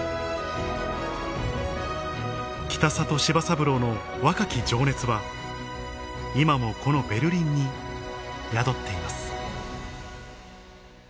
北里柴三郎の若き情熱は今もこのベルリンに宿っています